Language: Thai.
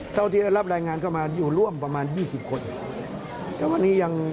เท่าที่รับรายงานก็มาอยู่ร่วมประมาณ๒๐คน